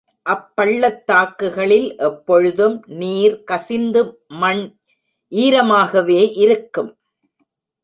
அப் பள்ளத்தாக்குகளில் எப்பொழுதும் நீர் கசிந்து மண் ஈரமாகவே இருக்கும்.